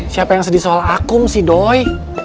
siapa yang sedih soal akum si doi